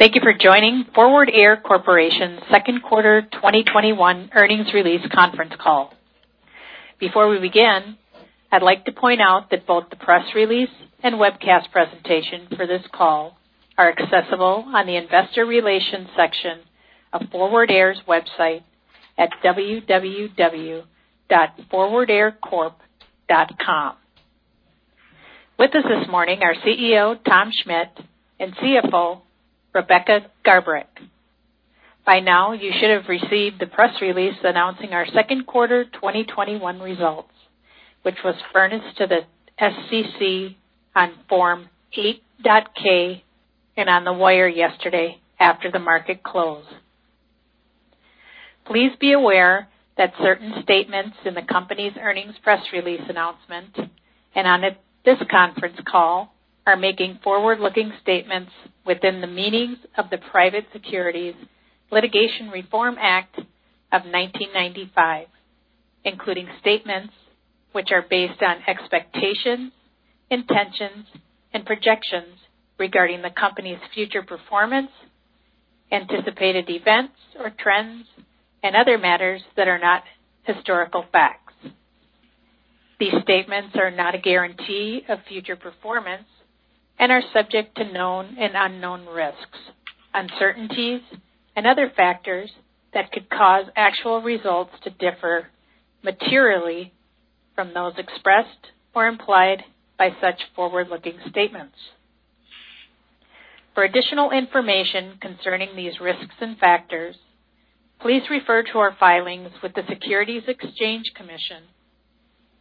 Thank you for joining Forward Air Corporation's second quarter 2021 earnings release conference call. Before we begin, I'd like to point out that both the press release and webcast presentation for this call are accessible on the investor relations section of Forward Air's website at www.forwardaircorp.com. With us this morning are CEO, Tom Schmitt, and CFO, Rebecca Garbrick. By now, you should have received the press release announcing our second quarter 2021 results, which was furnished to the SEC on Form 8-K and on the wire yesterday after the market closed. Please be aware that certain statements in the company's earnings press release announcement, and on this conference call, are making forward-looking statements within the meanings of the Private Securities Litigation Reform Act of 1995, including statements which are based on expectations, intentions, and projections regarding the company's future performance, anticipated events or trends, and other matters that are not historical facts. These statements are not a guarantee of future performance and are subject to known and unknown risks, uncertainties, and other factors that could cause actual results to differ materially from those expressed or implied by such forward-looking statements. For additional information concerning these risks and factors, please refer to our filings with the Securities and Exchange Commission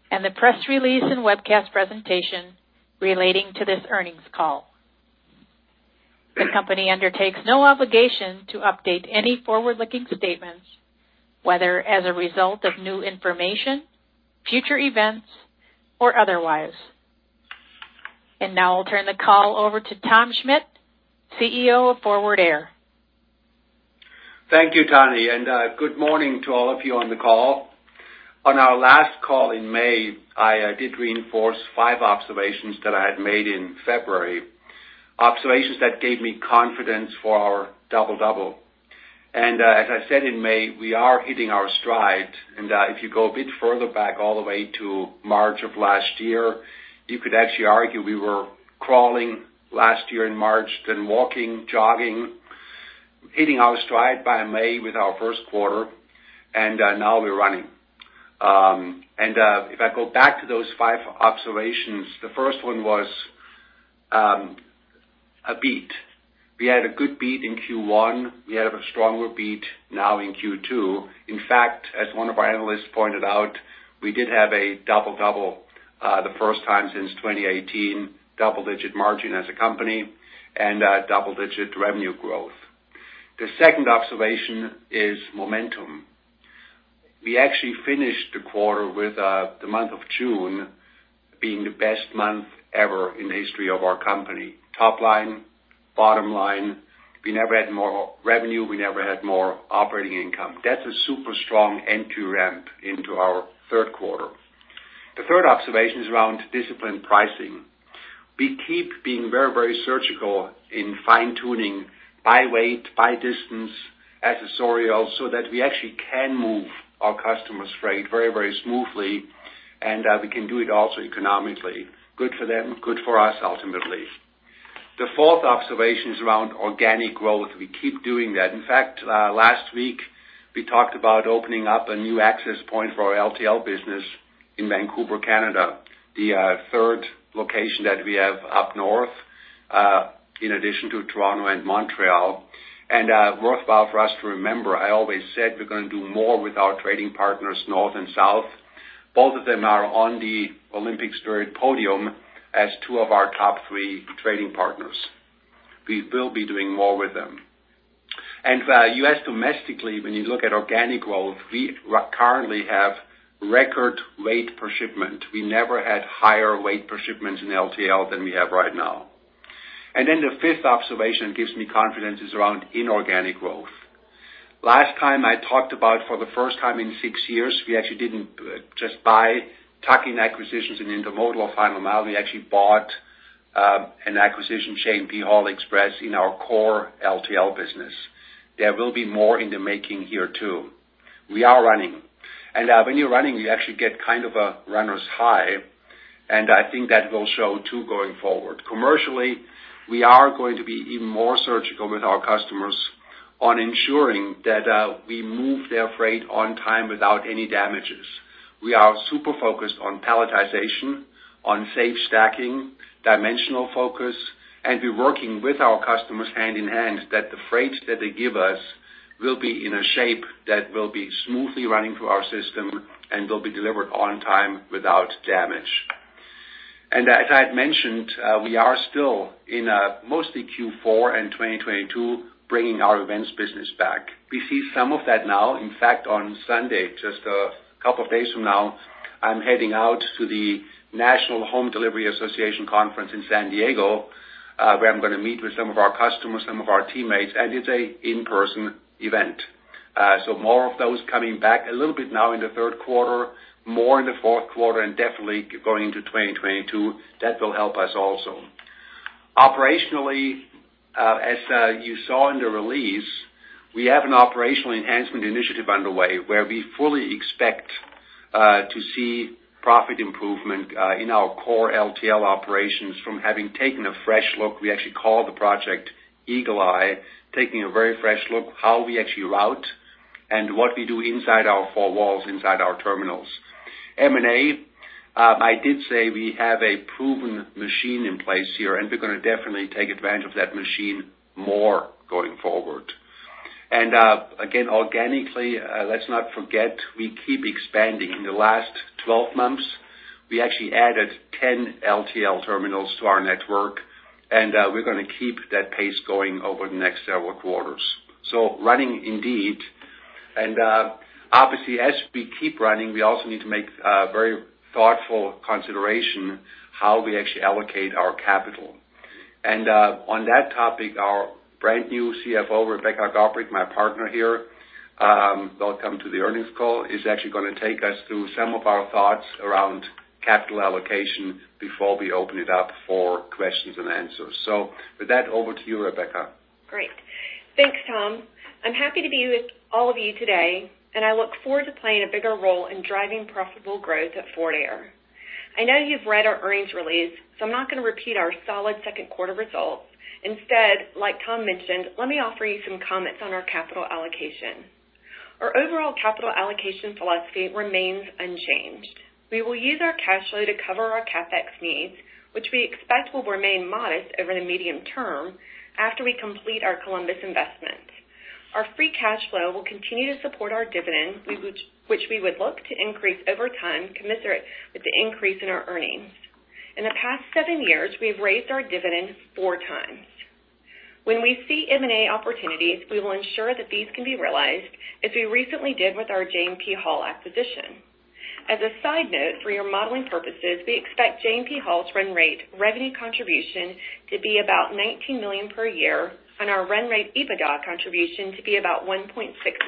and the press release and webcast presentation relating to this earnings call. The company undertakes no obligation to update any forward-looking statements, whether as a result of new information, future events, or otherwise. Now I'll turn the call over to Tom Schmitt, CEO of Forward Air. Thank you, Tony, good morning to all of you on the call. On our last call in May, I did reinforce 5 observations that I had made in February, observations that gave me confidence for our double-double. As I said in May, we are hitting our stride, and if you go a bit further back all the way to March of last year, you could actually argue we were crawling last year in March, then walking, jogging, hitting our stride by May with our first quarter, and now we're running. If I go back to those 5 observations, the first one was a beat. We had a good beat in Q1. We have a stronger beat now in Q2. As one of our analysts pointed out, we did have a double-double the first time since 2018, double-digit margin as a company and double-digit revenue growth. The second observation is momentum. We actually finished the quarter with the month of June being the best month ever in the history of our company. Top line, bottom line. We never had more revenue. We never had more operating income. That's a super strong NQ ramp into our third quarter. The third observation is around disciplined pricing. We keep being very, very surgical in fine-tuning by weight, by distance, accessorials, so that we actually can move our customers freight very, very smoothly, and we can do it also economically. Good for them, good for us ultimately. The fourth observation is around organic growth. We keep doing that. In fact, last week, we talked about opening up a new access point for our LTL business in Vancouver, Canada, the third location that we have up north, in addition to Toronto and Montreal. Worthwhile for us to remember, I always said we're going to do more with our trading partners north and south. Both of them are on the Olympic podium as two of our top three trading partners. We will be doing more with them. U.S. domestically, when you look at organic growth, we currently have record weight per shipment. We never had higher weight per shipments in LTL than we have right now. The fifth observation gives me confidence is around inorganic growth. Last time I talked about for the first time in six years, we actually didn't just buy tuck-in acquisitions in intermodal or final mile. We actually bought an acquisition, J&P Hall Express, in our core LTL business. There will be more in the making here, too. We are running. When you're running, you actually get kind of a runner's high, and I think that will show, too, going forward. Commercially, we are going to be even more surgical with our customers on ensuring that we move their freight on time without any damages. We are super focused on palletization, on safe stacking, dimensional focus, and we're working with our customers hand in hand that the freight that they give us will be in a shape that will be smoothly running through our system and will be delivered on time without damage. As I had mentioned, we are still in mostly Q4 and 2022, bringing our events business back. We see some of that now. On Sunday, just a couple of days from now, I'm heading out to the National Home Delivery Association conference in San Diego, where I'm going to meet with some of our customers, some of our teammates, and it's an in-person event. More of those coming back a little bit now in the third quarter, more in the fourth quarter, definitely going into 2022. That will help us also. Operationally, as you saw in the release, we have an operational enhancement initiative underway where we fully expect to see profit improvement in our core LTL operations from having taken a fresh look. We actually call the project Eagle Eye, taking a very fresh look how we actually route and what we do inside our four walls, inside our terminals. M&A, I did say we have a proven machine in place here, and we're going to definitely take advantage of that machine more going forward. Again, organically, let's not forget, we keep expanding. In the last 12 months, we actually added 10 LTL terminals to our network, and we're going to keep that pace going over the next several quarters. Running indeed, and obviously, as we keep running, we also need to make very thoughtful consideration how we actually allocate our capital. On that topic, our brand new CFO, Rebecca Garbrick, my partner here, welcome to the earnings call, is actually going to take us through some of our thoughts around capital allocation before we open it up for questions and answers. With that, over to you, Rebecca. Great. Thanks, Tom. I'm happy to be with all of you today, and I look forward to playing a bigger role in driving profitable growth at Forward Air. I know you've read our earnings release, so I'm not going to repeat our solid second quarter results. Instead, like Tom mentioned, let me offer you some comments on our capital allocation. Our overall capital allocation philosophy remains unchanged. We will use our cash flow to cover our CapEx needs, which we expect will remain modest over the medium term after we complete our Columbus investments. Our free cash flow will continue to support our dividend, which we would look to increase over time commensurate with the increase in our earnings. In the past seven years, we've raised our dividend 4x. When we see M&A opportunities, we will ensure that these can be realized, as we recently did with our J Hall acquisition. As a side note, for your modeling purposes, we expect J&P Hall's run-rate revenue contribution to be about $19 million per year, and our run-rate EBITDA contribution to be about $1.6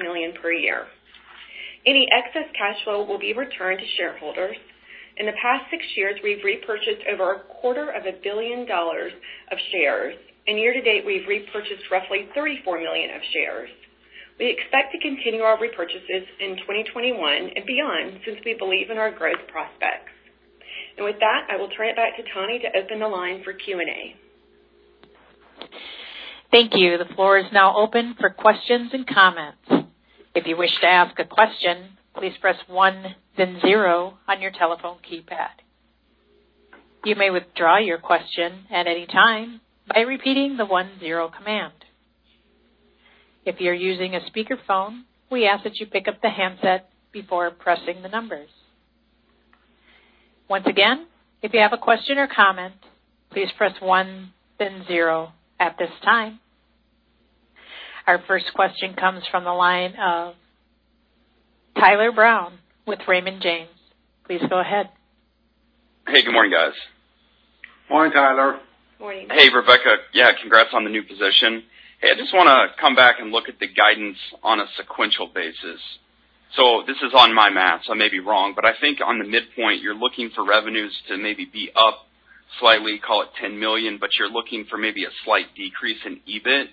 million per year. Any excess cash flow will be returned to shareholders. In the past 6 years, we've repurchased over a quarter of a billion dollars of shares, and year-to-date, we've repurchased roughly $34 million of shares. We expect to continue our repurchases in 2021 and beyond, since we believe in our growth prospects. With that, I will turn it back to Toni to open the line for Q&A. Thank you. The floor is now open for questions and comments. If you wish to ask a question, please press one then zero on your telephone keypad. You may withdraw your question at any time by repeating the one zero command. If you're using a speakerphone, we ask that you pick up the handset before pressing the numbers. Once again, if you have a question or comment, please press one then zero. At this time, our first question comes from the line of Tyler Brown with Raymond James. Please go ahead. Hey, good morning, guys. Morning, Tyler. Morning. Hey, Rebecca. Yeah, congrats on the new position. Hey, I just want to come back and look at the guidance on a sequential basis. This is on my math, so I may be wrong, but I think on the midpoint, you're looking for revenues to maybe be up slightly, call it $10 million, but you're looking for maybe a slight decrease in EBIT,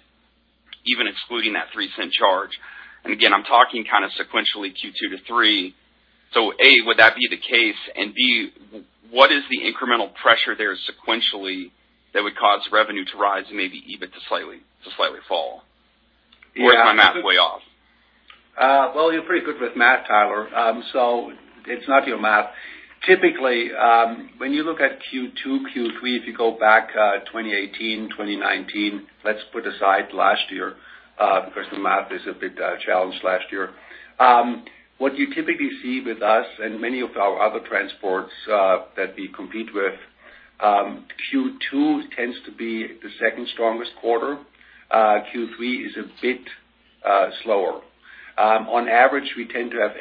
even excluding that $0.03 charge. Again, I'm talking kind of sequentially Q2-Q3. A, would that be the case? B, what is the incremental pressure there sequentially that would cause revenue to rise and maybe EBIT to slightly fall? Is my math way off? Well, you're pretty good with math, Tyler, so it's not your math. Typically, when you look at Q2, Q3, if you go back 2018, 2019, let's put aside last year because the math is a bit challenged last year. What you typically see with us and many of our other transports that we compete with, Q2 tends to be the second strongest quarter. Q3 is a bit slower. On average, we tend to have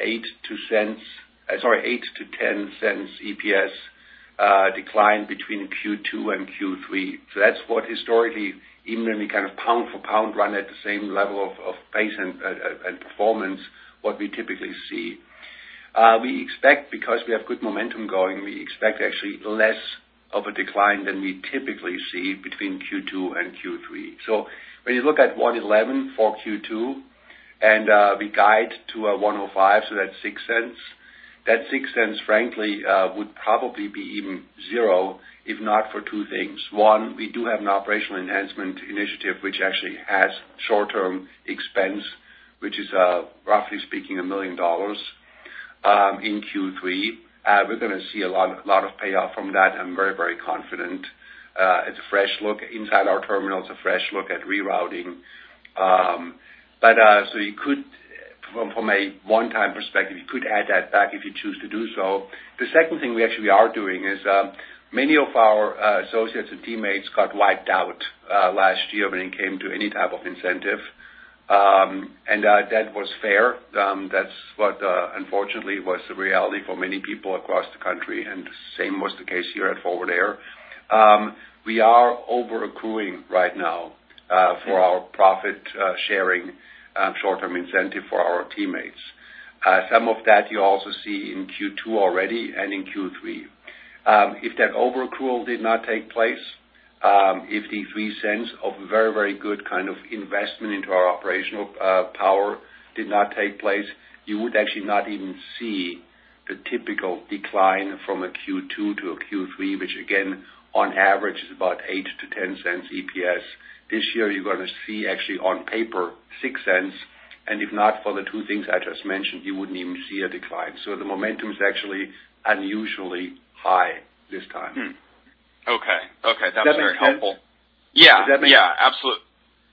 $0.08-$0.10 EPS decline between Q2 and Q3. That's what historically, even when we kind of pound for pound run at the same level of pace and performance, what we typically see. We expect because we have good momentum going, we expect actually less of a decline than we typically see between Q2 and Q3. When you look at $1.11 for Q2, and we guide to a $1.05, so that's $0.06. That $0.06, frankly, would probably be even zero if not for two things. One, we do have an operational enhancement initiative which actually has short-term expense, which is roughly speaking, $1 million in Q3. We're going to see a lot of payoff from that. I'm very confident. It's a fresh look inside our terminals, a fresh look at rerouting. You could, from a one-time perspective, you could add that back if you choose to do so. The second thing we actually are doing is, many of our associates and teammates got wiped out last year when it came to any type of incentive, and that was fair. That's what unfortunately was the reality for many people across the country, and same was the case here at Forward Air. We are over-accruing right now for our profit sharing short-term incentive for our teammates. Some of that you also see in Q2 already and in Q3. If that over-accrual did not take place, if the $0.03 of very good investment into our operational power did not take place, you would actually not even see the typical decline from a Q2 to a Q3, which again, on average is about $0.08-$0.10 EPS. This year, you're going to see actually on paper, $0.06, and if not for the two things I just mentioned, you wouldn't even see a decline. The momentum is actually unusually high this time. Okay. That's very helpful. Does that make sense? Yeah. Absolutely.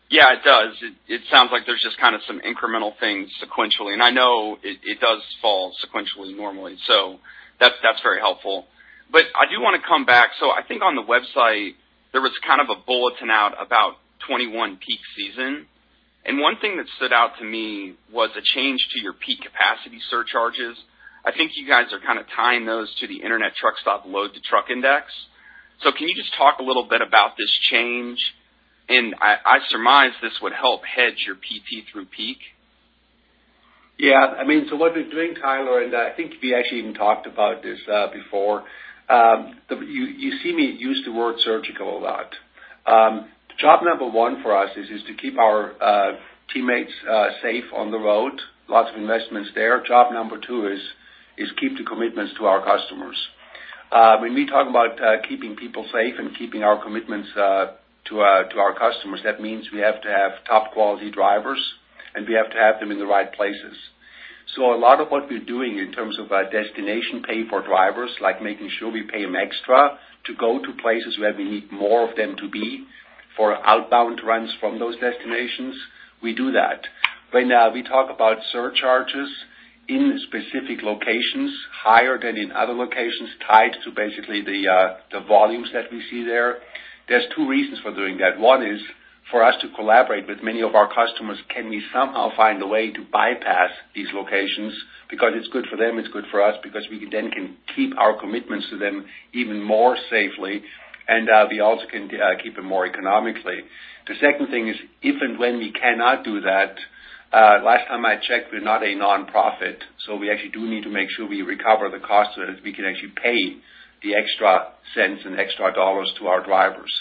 Yeah, it does. It sounds like there's just some incremental things sequentially, and I know it does fall sequentially normally. That's very helpful. I do want to come back. I think on the website there was kind of a bulletin out about 2021 peak season, and one thing that stood out to me was a change to your peak capacity surcharges. I think you guys are kind of tying those to the Internet Truckstop Load-to-Truck Index. Can you just talk a little bit about this change? I surmise this would help hedge your PT through peak. Yeah. What we're doing, Tyler, and I think we actually even talked about this before. You see me use the word surgical a lot. Job number 1 for us is to keep our teammates safe on the road. Lots of investments there. Job number 2 is keep the commitments to our customers. When we talk about keeping people safe and keeping our commitments to our customers, that means we have to have top quality drivers, and we have to have them in the right places. A lot of what we're doing in terms of destination pay for drivers, like making sure we pay them extra to go to places where we need more of them to be for outbound runs from those destinations, we do that. When we talk about surcharges in specific locations, higher than in other locations tied to basically the volumes that we see there. There's 2 reasons for doing that. 1 is for us to collaborate with many of our customers. Can we somehow find a way to bypass these locations? It's good for them, it's good for us, because we then can keep our commitments to them even more safely, and we also can keep it more economically. The 2nd thing is, if and when we cannot do that, last time I checked, we're not a non-profit, so we actually do need to make sure we recover the cost so that we can actually pay the extra cents and extra dollars to our drivers.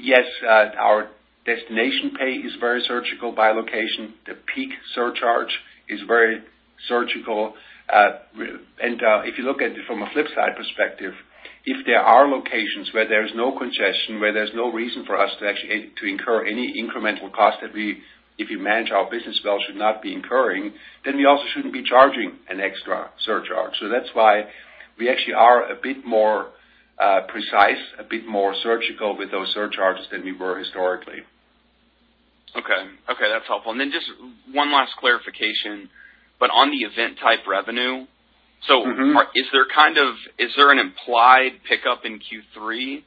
Yes, our destination pay is very surgical by location. The peak surcharge is very surgical. If you look at it from a flip side perspective, if there are locations where there's no congestion, where there's no reason for us to actually incur any incremental cost that we, if you manage our business well, should not be incurring, then we also shouldn't be charging an extra surcharge. That's why we actually are a bit more precise, a bit more surgical with those surcharges than we were historically. Okay. That's helpful. Just one last clarification, but on the event type revenue. Is there an implied pickup in Q3?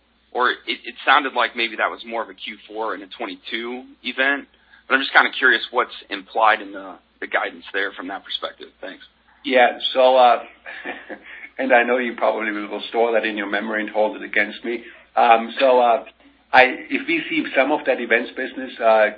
It sounded like maybe that was more of a Q4 and a 2022 event, I'm just kind of curious what's implied in the guidance there from that perspective. Thanks. Yeah. I know you probably will store that in your memory and hold it against me. If we see some of that events business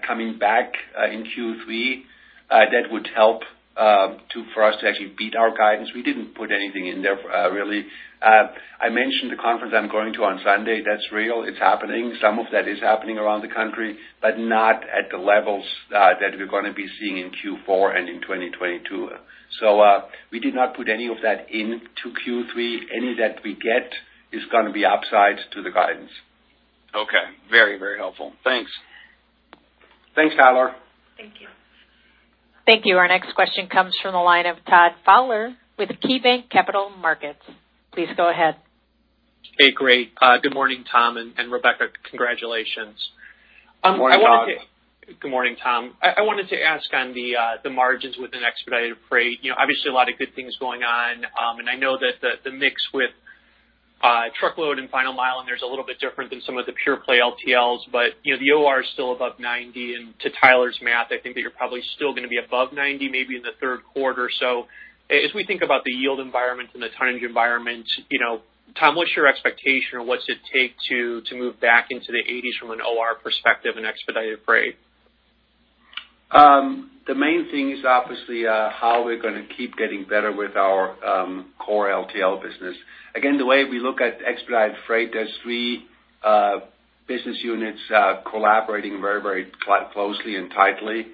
coming back in Q3, that would help for us to actually beat our guidance. We didn't put anything in there, really. I mentioned the conference I'm going to on Sunday. That's real. It's happening. Some of that is happening around the country, but not at the levels that we're going to be seeing in Q4 and in 2022. We did not put any of that into Q3. Any that we get is going to be upside to the guidance. Okay. Very helpful. Thanks. Thanks, Tyler. Thank you. Our next question comes from the line of Todd Fowler with KeyBanc Capital Markets. Please go ahead. Hey, great. Good morning, Tom and Rebecca. Congratulations. Good morning, Todd. Good morning, Tom. I wanted to ask on the margins within expedited freight, obviously a lot of good things going on, and I know that the mix with truckload and final mile, and there's a little bit different than some of the pure play LTLs, but the OR is still above 90. To Tyler's math, I think that you're probably still going to be above 90 maybe in the third quarter. As we think about the yield environment and the tonnage environment, Tom, what's your expectation or what's it take to move back into the 80s from an OR perspective in expedited freight? The main thing is obviously how we're going to keep getting better with our core LTL business. Again, the way we look at expedited freight, there's three business units collaborating very closely and tightly.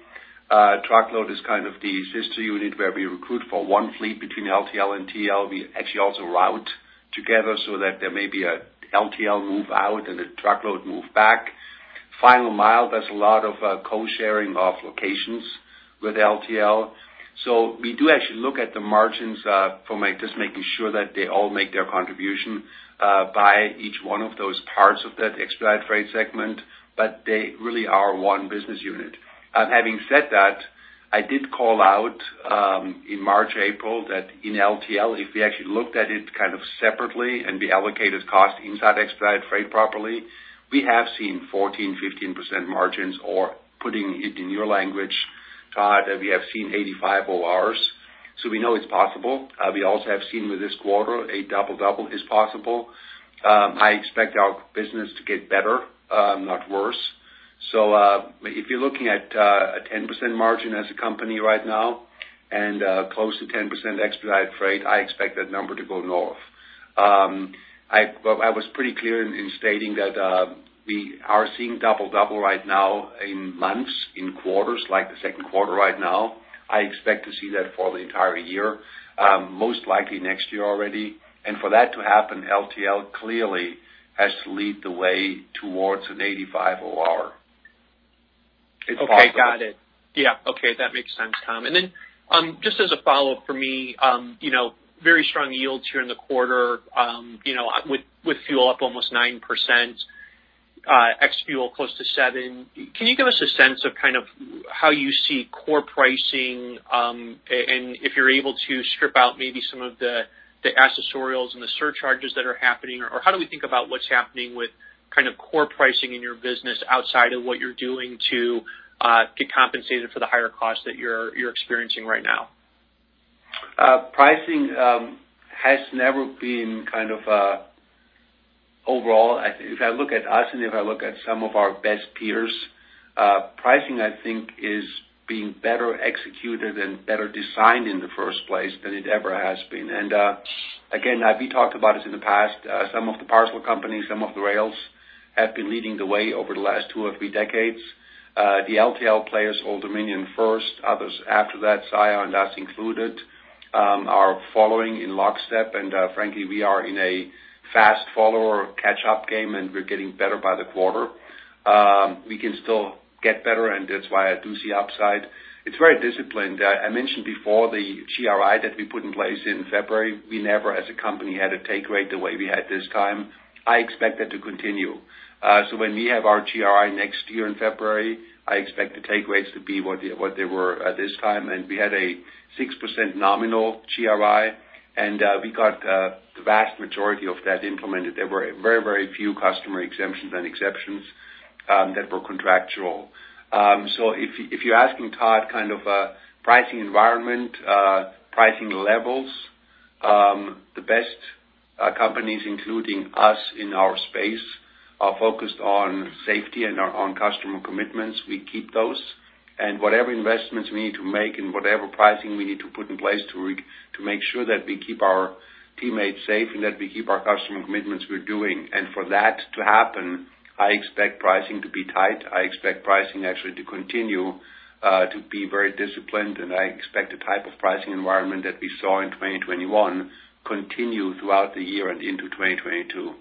Truckload is kind of the sister unit where we recruit for one fleet between LTL and TL. We actually also route together so that there may be an LTL move out and a truckload move back. Final mile, there's a lot of co-sharing of locations with LTL. We do actually look at the margins from just making sure that they all make their contribution by each one of those parts of that expedited freight segment, but they really are one business unit. Having said that, I did call out in March, April, that in LTL, if we actually looked at it kind of separately and we allocated cost inside expedited freight properly, we have seen 14%-15% margins, or putting it in your language, Todd, we have seen 85 ORs.We know it's possible. We also have seen with this quarter, a double-double is possible. I expect our business to get better, not worse. If you're looking at a 10% margin as a company right now and close to 10% expedited freight, I expect that number to go north. I was pretty clear in stating that we are seeing double-double right now in months, in quarters, like the second quarter right now. I expect to see that for the entire year, most likely next year already. For that to happen, LTL clearly has to lead the way towards an 85 OR. It's possible. Okay, got it. Yeah. Okay. That makes sense, Tom. Then just as a follow-up for me, very strong yields here in the quarter. With fuel up almost 9%, ex fuel close to 7. Can you give us a sense of how you see core pricing? If you're able to strip out maybe some of the accessorials and the surcharges that are happening, or how do we think about what's happening with core pricing in your business outside of what you're doing to get compensated for the higher cost that you're experiencing right now? Pricing has never been kind of overall, if I look at us and if I look at some of our best peers, pricing, I think is being better executed and better designed in the first place than it ever has been. Again, we talked about this in the past. Some of the parcel companies, some of the rails have been leading the way over the last two or three decades. The LTL players, Old Dominion first, others after that, Saia and us included, are following in lockstep and, frankly, we are in a fast follower catch-up game, and we're getting better by the quarter. We can still get better, That's why I do see upside. It's very disciplined. I mentioned before the GRI that we put in place in February. We never, as a company, had a take rate the way we had this time. I expect that to continue. When we have our GRI next year in February, I expect the take rates to be what they were at this time. We had a 6% nominal GRI, and we got the vast majority of that implemented. There were very few customer exemptions and exceptions that were contractual. If you're asking, Todd, pricing environment, pricing levels, the best companies, including us in our space, are focused on safety and on customer commitments. We keep those. Whatever investments we need to make and whatever pricing we need to put in place to make sure that we keep our teammates safe and that we keep our customer commitments, we're doing. For that to happen, I expect pricing to be tight. I expect pricing actually to continue to be very disciplined, and I expect the type of pricing environment that we saw in 2021 continue throughout the year and into 2022.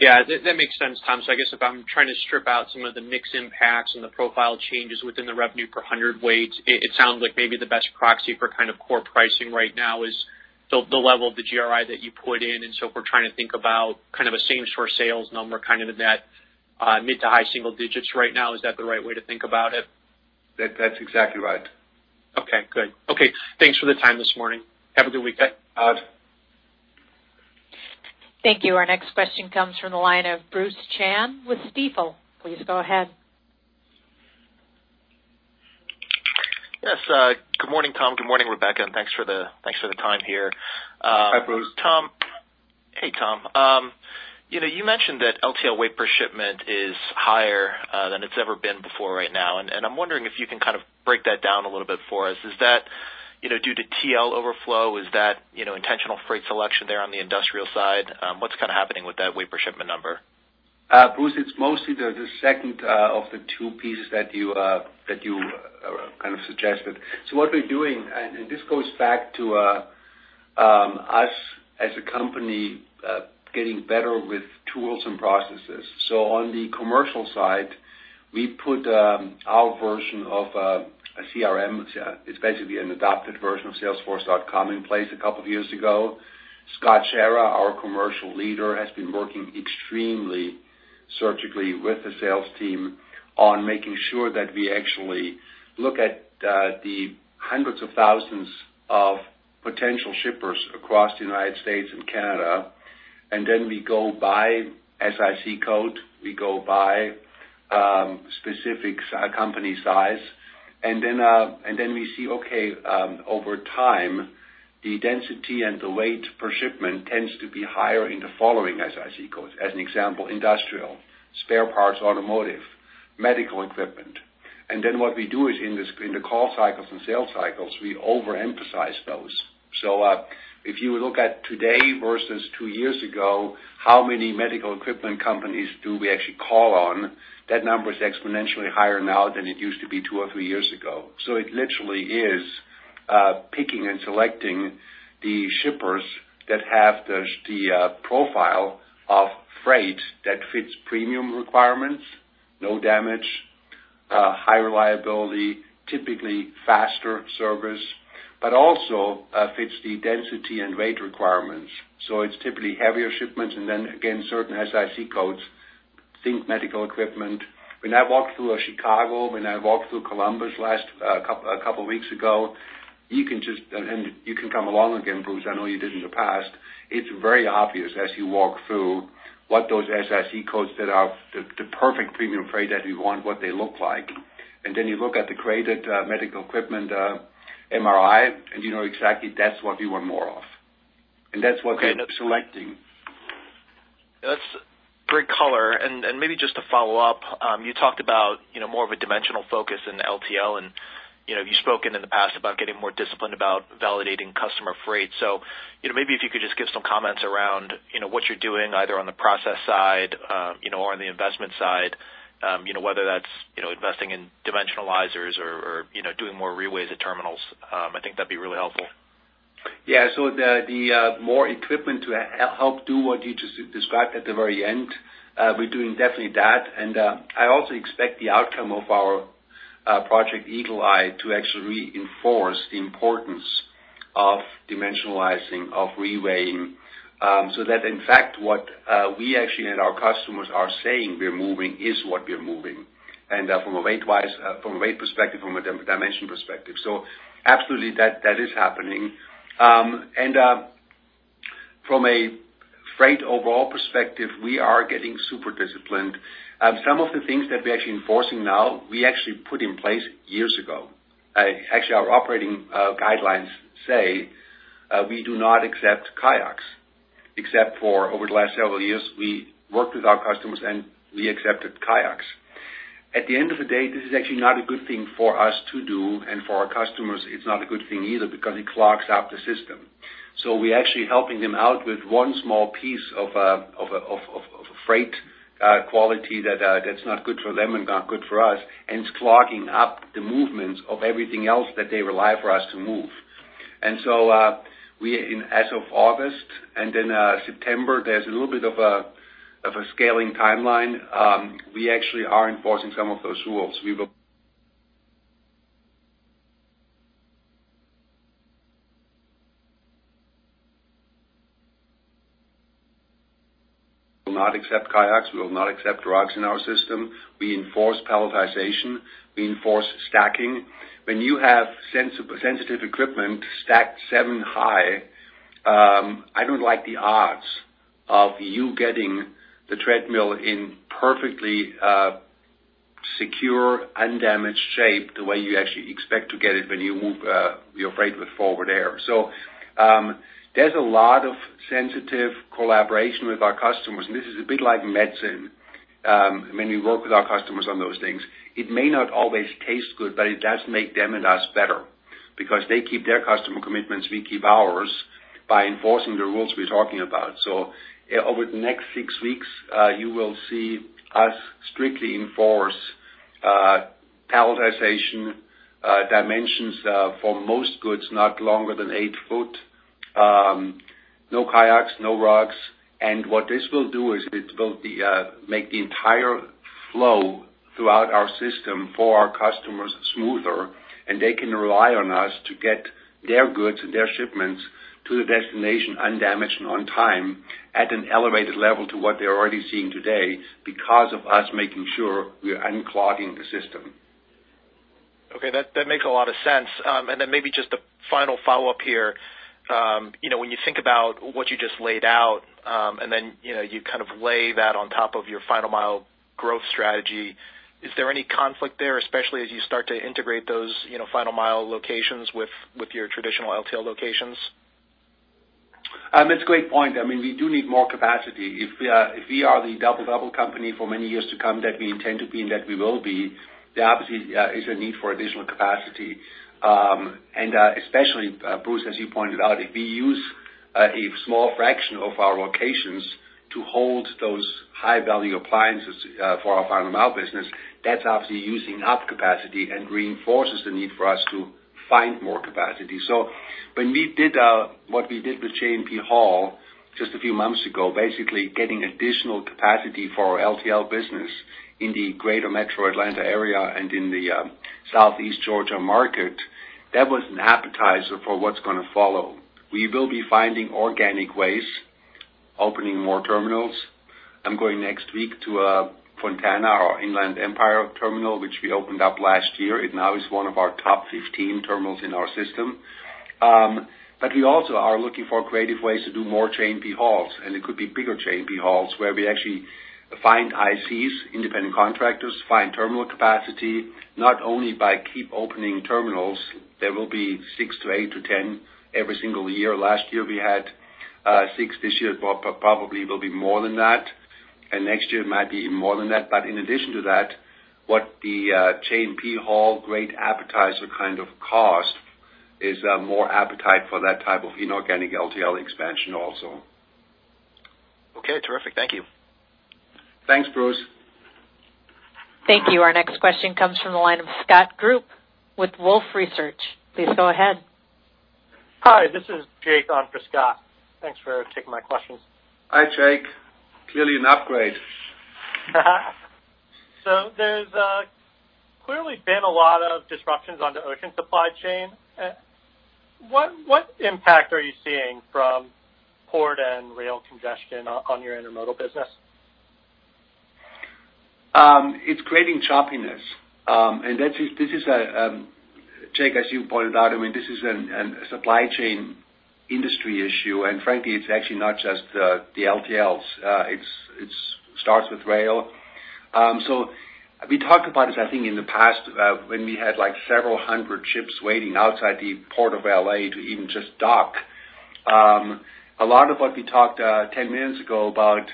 That makes sense, Tom. I guess if I'm trying to strip out some of the mix impacts and the profile changes within the revenue per hundred weights, it sounds like maybe the best proxy for core pricing right now is the level of the GRI that you put in. If we're trying to think about a same store sales number, kind of in that mid to high single digits right now. Is that the right way to think about it? That's exactly right. Okay, good. Okay, thanks for the time this morning. Have a good weekend. Bye. Thank you. Our next question comes from the line of Bruce Chan with Stifel. Please go ahead. Yes. Good morning, Tom. Good morning, Rebecca, and thanks for the time here. Hi, Bruce. Hey, Tom. You mentioned that LTL weight per shipment is higher than it's ever been before right now, and I'm wondering if you can kind of break that down a little bit for us. Is that due to TL overflow? Is that intentional freight selection there on the industrial side? What's happening with that weight per shipment number? Bruce, it's mostly the second of the 2 pieces that you kind of suggested. What we're doing, and this goes back to us as a company getting better with tools and processes. On the commercial side, we put our version of a CRM, which is basically an adopted version of Salesforce.com in place a couple of years ago. Shawn Stewart, our commercial leader, has been working extremely surgically with the sales team on making sure that we actually look at the hundreds of thousands of potential shippers across the U.S. and Canada, and then we go by SIC code. We go by specific company size. Then we see, okay, over time, the density and the weight per shipment tends to be higher in the following SIC codes. As an example, industrial, spare parts, automotive, medical equipment. What we do is in the call cycles and sales cycles, we overemphasize those. If you look at today versus two years ago, how many medical equipment companies do we actually call on? That number is exponentially higher now than it used to be two or three years ago. It literally is picking and selecting the shippers that have the profile of freight that fits premium requirements, no damage, high reliability, typically faster service, but also fits the density and weight requirements. It's typically heavier shipments and then again, certain SIC codes, think medical equipment. When I walked through Chicago, when I walked through Columbus a couple weeks ago, you can come along again, Bruce. I know you did in the past. It's very obvious as you walk through what those SIC codes that are the perfect premium freight that we want, what they look like. Then you look at the crated medical equipment MRI, and you know exactly that's what we want more of. That's what we're selecting. That's great color. Maybe just to follow up, you talked about more of a dimensional focus in LTL, and you've spoken in the past about getting more disciplined about validating customer freight. Maybe if you could just give some comments around what you're doing, either on the process side or on the investment side, whether that's investing in dimensionalizers or doing more re-weighs at terminals. I think that'd be really helpful. Yeah. The more equipment to help do what you just described at the very end, we're doing definitely that. I also expect the outcome of our Project Eagle Eye to actually reinforce the importance of dimensionalizing, of re-weighing, so that in fact, what we actually and our customers are saying we're moving is what we're moving. From a weight perspective, from a dimension perspective. Absolutely, that is happening. From a freight overall perspective, we are getting super disciplined. Some of the things that we're actually enforcing now, we actually put in place years ago. Actually, our operating guidelines say we do not accept kayaks, except for over the last several years, we worked with our customers, and we accepted kayaks. At the end of the day, this is actually not a good thing for us to do, and for our customers, it's not a good thing either because it clogs up the system. We're actually helping them out with 1 small piece of freight quality that's not good for them and not good for us, and it's clogging up the movements of everything else that they rely for us to move. As of August and then September, there's a little bit of a scaling timeline. We actually are enforcing some of those rules. We will not accept kayaks. We will not accept rugs in our system. We enforce palletization. We enforce stacking. When you have sensitive equipment stacked 7 high, I don't like the odds of you getting the treadmill in perfectly secure, undamaged shape the way you actually expect to get it when you move your freight with Forward Air. There's a lot of sensitive collaboration with our customers, and this is a bit like medicine when we work with our customers on those things. It may not always taste good, but it does make them and us better because they keep their customer commitments, we keep ours by enforcing the rules we're talking about. Over the next 6 weeks, you will see us strictly enforce palletization, dimensions for most goods not longer than 8 foot. No kayaks, no rugs. What this will do is it will make the entire flow throughout our system for our customers smoother, and they can rely on us to get their goods and their shipments to the destination undamaged and on time at an elevated level to what they're already seeing today because of us making sure we are unclogging the system. Okay. That makes a lot of sense. Maybe just a final follow-up here. When you think about what you just laid out, and then you kind of lay that on top of your final mile growth strategy, is there any conflict there, especially as you start to integrate those final mile locations with your traditional LTL locations? That's a great point. We do need more capacity. If we are the double-double company for many years to come that we intend to be and that we will be, there obviously is a need for additional capacity. And especially, Bruce, as you pointed out, if we use a small fraction of our locations to hold those high-value appliances for our final mile business, that's obviously using up capacity and reinforces the need for us to find more capacity. When we did what we did with J&P Hall just a few months ago, basically getting additional capacity for our LTL business in the greater metro Atlanta area and in the Southeast Georgia market, that was an appetizer for what's going to follow. We will be finding organic ways, opening more terminals. I'm going next week to Fontana, our Inland Empire terminal, which we opened up last year. It now is one of our top 15 terminals in our system. We also are looking for creative ways to do more J&P Halls, and it could be bigger J&P Halls where we actually find ICs, independent contractors, find terminal capacity, not only by keep opening terminals. There will be 6 to 8 to 10 every single year. Last year we had 6. This year, probably will be more than that. Next year might be even more than that. In addition to that, what the J&P Hall great appetizer kind of cost is more appetite for that type of inorganic LTL expansion also. Okay, terrific. Thank you. Thanks, Bruce. Thank you. Our next question comes from the line of Scott Group with Wolfe Research. Please go ahead. Hi, this is Jake on for Scott. Thanks for taking my questions. Hi, Jake. Clearly an upgrade. There's clearly been a lot of disruptions on the ocean supply chain. What impact are you seeing from port and rail congestion on your intermodal business? It's creating choppiness. Jake, as you pointed out, this is a supply chain industry issue, frankly, it's actually not just the LTLs. It starts with rail. We talked about this, I think, in the past, when we had several hundred ships waiting outside the port of L.A. to even just dock. A lot of what we talked 10 minutes ago about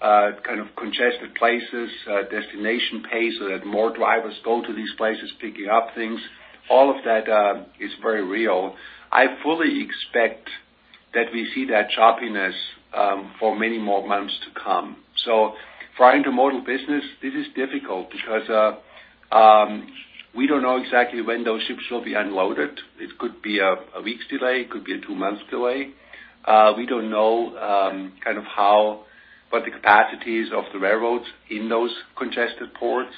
kind of congested places, destination pays, that more drivers go to these places picking up things, all of that is very real. I fully expect that we see that choppiness for many more months to come. For intermodal business, this is difficult because we don't know exactly when those ships will be unloaded. It could be a week's delay, it could be a 2 months delay. We don't know what the capacity is of the railroads in those congested ports.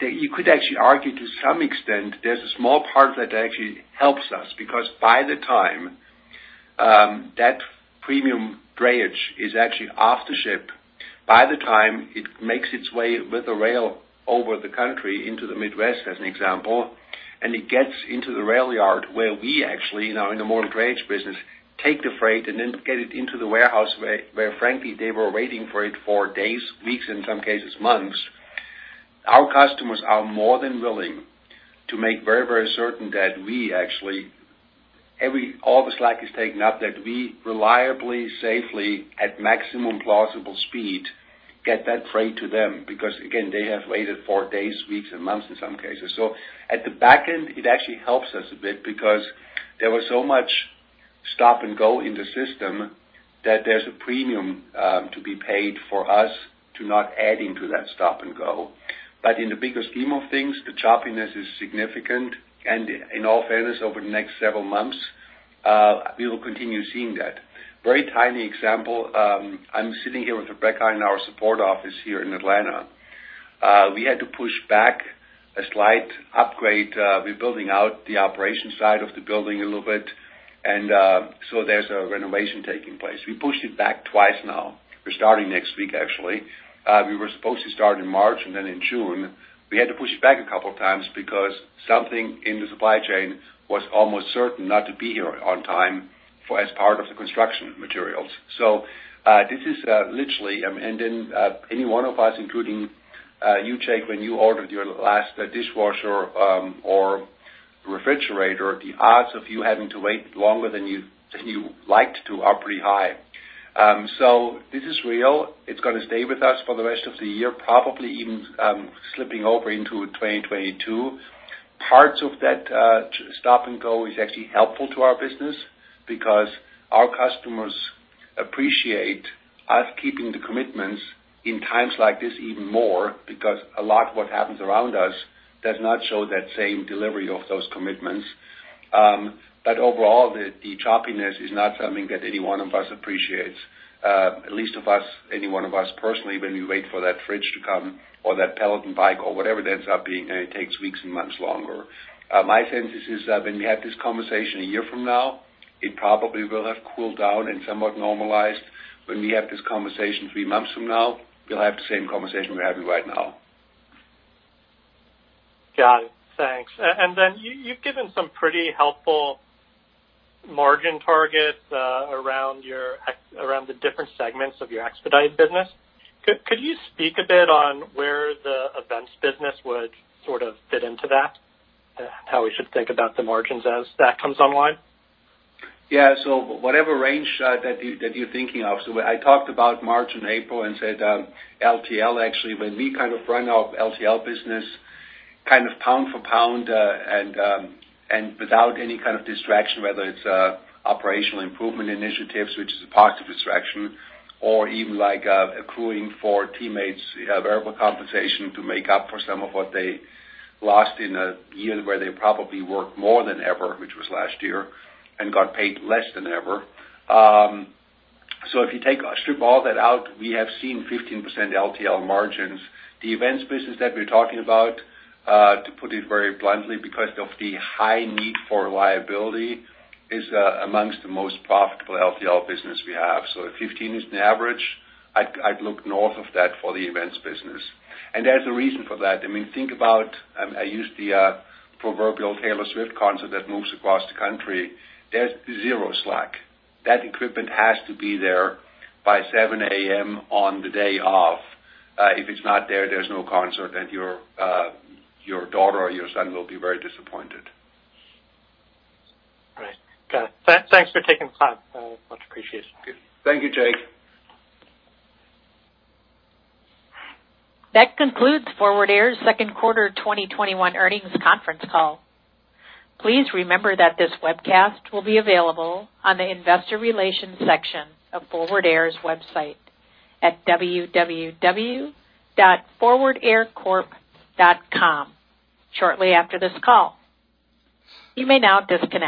You could actually argue, to some extent, there's a small part that actually helps us, because by the time that premium drayage is actually off the ship, by the time it makes its way with the rail over the country into the Midwest, as an example, and it gets into the rail yard where we actually, now in the modal drayage business, take the freight and then get it into the warehouse, where frankly, they were waiting for it for days, weeks, in some cases, months. Our customers are more than willing to make very certain that all the slack is taken up, that we reliably, safely, at maximum plausible speed, get that freight to them, because again, they have waited for days, weeks, and months in some cases. At the back end, it actually helps us a bit because there was so much stop and go in the system that there's a premium to be paid for us to not adding to that stop and go. In the bigger scheme of things, the choppiness is significant. In all fairness, over the next several months, we will continue seeing that. Very tiny example, I'm sitting here with Rebecca in our support office here in Atlanta. We had to push back a slight upgrade. We're building out the operations side of the building a little bit, and so there's a renovation taking place. We pushed it back twice now. We're starting next week, actually. We were supposed to start in March, and then in June. We had to push it back a couple of times because something in the supply chain was almost certain not to be here on time as part of the construction materials. This is literally, and any one of us, including you, Jake, when you ordered your last dishwasher or refrigerator, the odds of you having to wait longer than you liked to are pretty high. This is real. It's going to stay with us for the rest of the year, probably even slipping over into 2022. Parts of that stop and go is actually helpful to our business because our customers appreciate us keeping the commitments in times like this even more, because a lot of what happens around us does not show that same delivery of those commitments. Overall, the choppiness is not something that any one of us appreciates, least of us, any one of us personally, when we wait for that fridge to come or that Peloton bike or whatever it ends up being, and it takes weeks and months longer. My sense is when we have this conversation 1 year from now, it probably will have cooled down and somewhat normalized. When we have this conversation 3 months from now, we'll have the same conversation we're having right now. Got it. Thanks. You've given some pretty helpful margin targets around the different segments of your expedite business. Could you speak a bit on where the events business would sort of fit into that? How we should think about the margins as that comes online? Yeah. Whatever range that you're thinking of. I talked about March and April and said LTL, actually, when we kind of run our LTL business kind of pound for pound and without any kind of distraction, whether it's operational improvement initiatives, which is a positive distraction, or even like accruing for teammates variable compensation to make up for some of what they lost in a year where they probably worked more than ever, which was last year, and got paid less than ever. If you strip all that out, we have seen 15% LTL margins. The events business that we're talking about, to put it very bluntly, because of the high need for reliability, is amongst the most profitable LTL business we have. If 15 is the average, I'd look north of that for the events business. There's a reason for that. Think about, I use the proverbial Taylor Swift concert that moves across the country. There's zero slack. That equipment has to be there by 7:00A.M. on the day of. If it's not there's no concert, and your daughter or your son will be very disappointed. Right. Got it. Thanks for taking the time. Much appreciated. Thank you, Jake. That concludes Forward Air's second quarter 2021 earnings conference call. Please remember that this webcast will be available on the investor relations section of Forward Air's website at www.forwardaircorp.com shortly after this call. You may now disconnect.